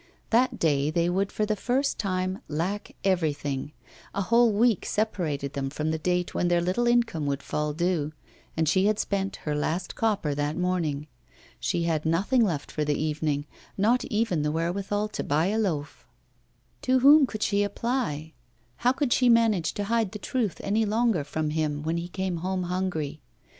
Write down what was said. That day they would for the first time lack everything; a whole week separated them from the date when their little income would fall due, and she had spent her last copper that morning. She had nothing left for the evening, not even the wherewithal to buy a loaf. To whom could she apply? How could she manage to hide the truth any longer from him when he came home hungry?